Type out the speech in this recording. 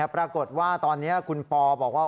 ปรากฏว่าตอนนี้คุณปอบอกว่า